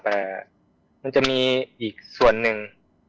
แต่มันจะมีอีกส่วนหนึ่ง